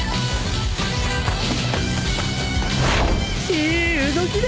いい動きだ。